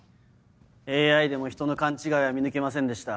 ＡＩでも人の勘違いは見抜けませんでした。